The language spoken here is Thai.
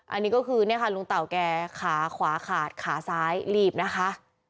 อันนี้ก็คือเนี่ยค่ะลุงเต่าแกขาขวาขาดขาซ้ายรีบนะคะ